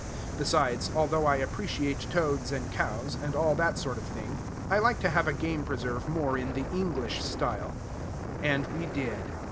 Besides, although I appreciate toads and cows, and all that sort of thing, I like to have a game preserve more in the English style. And we did.